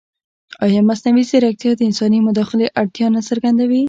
ایا مصنوعي ځیرکتیا د انساني مداخلې اړتیا نه څرګندوي؟